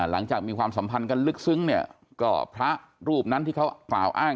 หลังจากมีความสัมพันธ์กันลึกซึ้งเนี่ยก็พระรูปนั้นที่เขากล่าวอ้าง